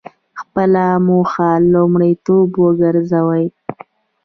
خپله موخه لومړیتوب وګرځوئ.